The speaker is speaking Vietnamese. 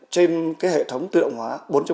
trên hệ thống tư động hóa bốn